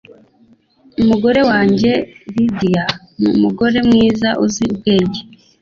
Umugore wanjye Lidia numugore mwiza uzi ubwenge